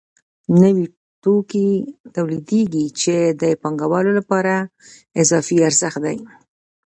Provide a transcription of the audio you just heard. نوي توکي تولیدېږي چې د پانګوالو لپاره اضافي ارزښت دی